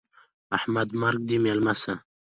احمده! مرګ دې مېلمه سه.